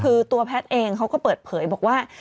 คือตัวแพทย์เองเขาก็เปิดเผยบอกว่า